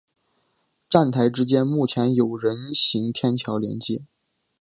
站台之间目前有人行天桥连接。